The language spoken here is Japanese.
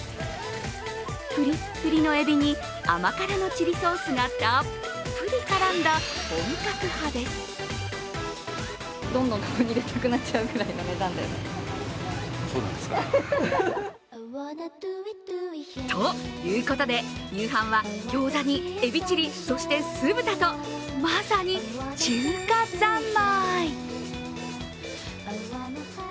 ぷりっぷりのえびに、甘辛のチリソースがたっぷり絡んだ本格派です。ということで、夕飯はギョーザにえびチリ、酢豚とまさに中華三昧。